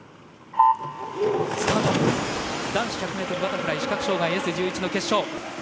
男子１００ｍバタフライ視覚障がいＳ１１の決勝。